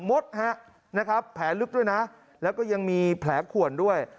มดฮะนะครับแผลลึกด้วยนะแล้วก็ยังมีแผลขวนด้วย